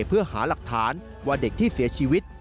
เพื่อหาหลักฐานว่าเด็กที่เสียชีวิต